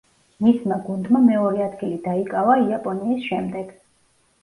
მისმა გუნდმა მეორე ადგილი დაიკავა, იაპონიის შემდეგ.